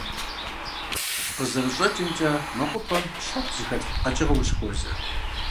КъызэрыщӀэкӀымкӀэ, мэкъупӀэм щхъухь зыхэлъ къэкӀыгъэ ущыхуозэ.